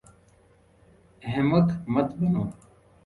احمق مت بنو